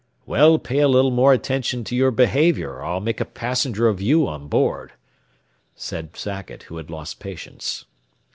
"Well, pay a little more attention to your behavior, or I'll make a passenger of you on board," said Sackett, who had lost patience.